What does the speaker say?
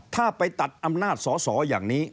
ถ้าไปตัดอำนาจสอสออย่างนี้